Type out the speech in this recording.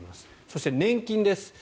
そして年金です。